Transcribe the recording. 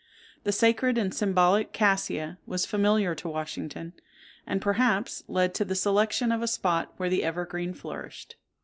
The sacred and symbolic cassia was familiar to Washington, and, perhaps, led to the selection of a spot where the evergreen flourished.